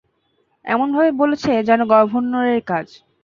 এমনভাবে বলেছে যেন গভর্নরের কাজ।